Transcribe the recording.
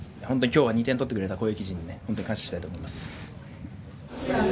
本当に今日は２点取ってくれた攻撃陣に本当に感謝したいと思います。